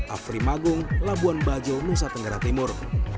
afri magung labuan bajo nusa tenggara timur